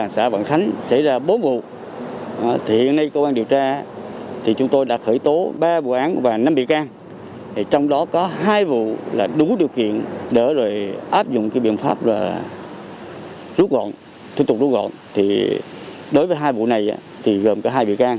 sưu tục đối gọn đối với hai vụ này gồm cả hai vị can